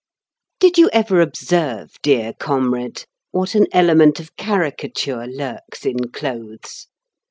Did you ever observe, dear comrade, what an element of caricature lurks in clothes?